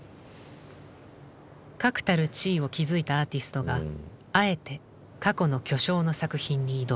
確たる地位を築いたアーティストがあえて過去の巨匠の作品に挑む。